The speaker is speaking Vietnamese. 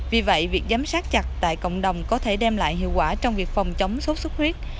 vì vậy việc giám sát chặt tại cộng đồng có thể đem lại hiệu quả trong việc phòng chống sốt xuất huyết